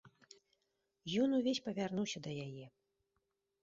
Ён увесь павярнуўся да яе.